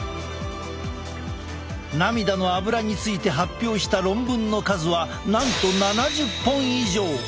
涙のアブラについて発表した論文の数はなんと７０本以上！